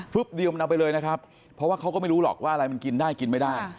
เดียวมันเอาไปเลยนะครับเพราะว่าเขาก็ไม่รู้หรอกว่าอะไรมันกินได้กินไม่ได้